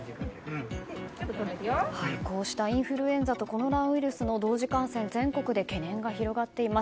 こうしたインフルエンザとコロナウイルスの同時感染全国で懸念が広がっています。